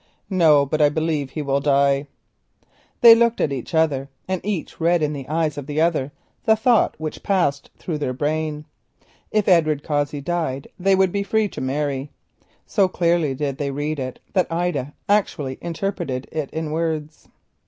"No, but I believe that he will die." They looked at one another, and each read in the eyes of the other the thought which passed through their brains. If Edward Cossey died they would be free to marry. So clearly did they read it that Ida actually interpreted it in words.